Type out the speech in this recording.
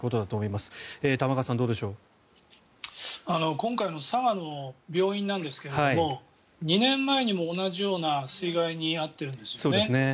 今回の佐賀の病院なんですが２年前にも同じような水害に遭っているんですよね。